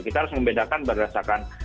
kita harus membedakan berdasarkan